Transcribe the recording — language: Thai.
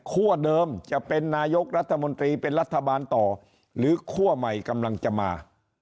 เดิมจะเป็นนายกรัฐมนตรีเป็นรัฐบาลต่อหรือคั่วใหม่กำลังจะมา